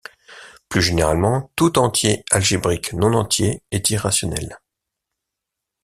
Plus généralement, tout entier algébrique non entier est irrationnel.